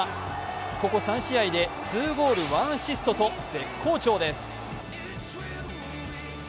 ここ３試合で２ゴール、１アシストと絶好調です。